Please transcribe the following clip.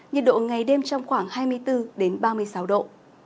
nhiệt độ ngày đêm trong khoảng hai mươi bốn ba mươi sáu độ